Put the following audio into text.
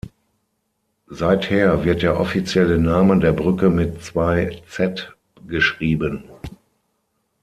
Seither wird der offizielle Name der Brücke mit zwei 'z' geschrieben.